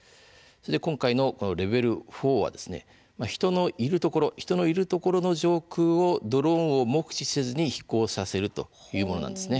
今回のレベル４は人のいるところの上空をドローンを目視せずに飛行させるというものなんです。